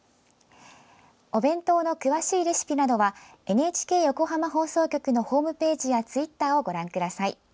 お弁当の詳しいレシピなどはＮＨＫ横浜放送局のホームページやツイッターをご覧ください。